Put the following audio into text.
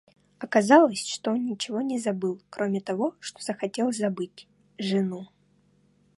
Оказалось, что он ничего не забыл, кроме того, что хотел забыть,— жену.